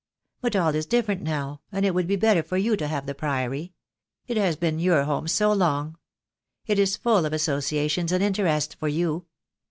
But all is different now, and it would be better for you to have the Priory. It has been your home so long. It is full of associations and interests for you.